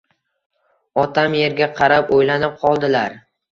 Otam erga qarab o`ylanib qoldilar